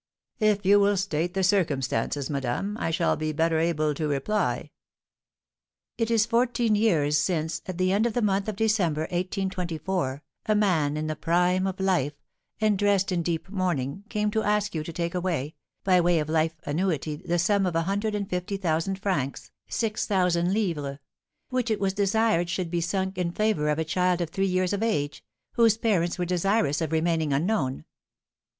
"If you will state the circumstances, madame, I shall be better able to reply." "It is fourteen years since, at the end of the month of December, 1824, a man in the prime of life, and dressed in deep mourning, came to ask you to take, by way of life annuity, the sum of a hundred and fifty thousand francs (6,000_l._), which it was desired should be sunk in favour of a child of three years of age, whose parents were desirous of remaining unknown."